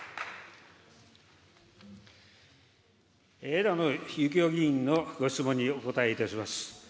枝野幸男議員のご質問にお答えいたします。